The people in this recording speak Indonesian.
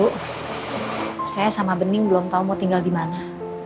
bu saya sama bening belum tau mau tinggal dimana